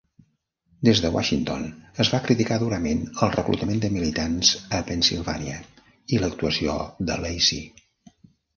Des de Washington es va criticar durament el reclutament de militants a Pennsilvània i l'actuació de Lacey.